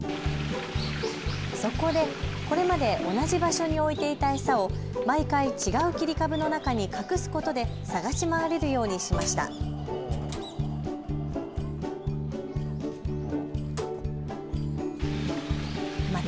そこでこれまで同じ場所に置いていた餌を毎回、違う切り株の中に隠すことで探し回れるようにしました。